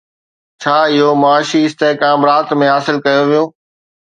ڇا اهو معاشي استحڪام رات ۾ حاصل ڪيو ويو؟